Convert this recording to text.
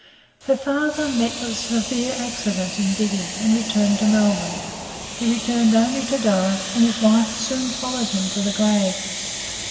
Her father met with a severe accident in digging, and returned to Melbourne. He returned only to die, and his wife soon followed him to the grave.